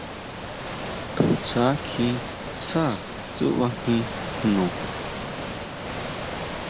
To tsja kjí tsá tsúʼba jín jno.